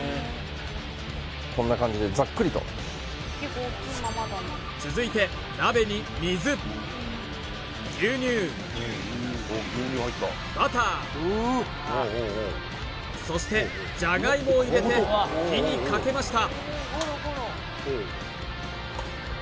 こんな感じでざっくりと続いて鍋にそしてじゃがいもを入れて火にかけました